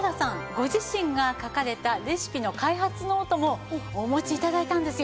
ご自身が書かれたレシピの開発ノートもお持ち頂いたんですよ。